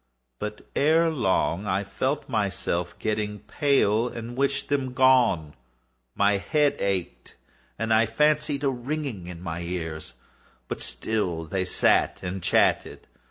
But, ere long, I felt myself getting pale and wished them gone. My head ached, and I fancied a ringing in my ears: but still they sat and still chatted.